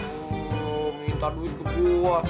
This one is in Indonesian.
tuh minta duit ke buah